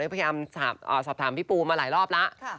พยายามสอบถามพี่ปูมาหลายรอบแล้ว